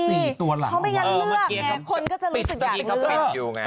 เพราะไม่นั้นเลือกคนก็จะรู้สึกอย่างเราเลือก